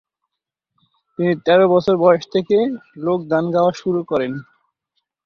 তিনি তের বছর বয়স থেকে লোক গান গাওয়া শুরু করেন।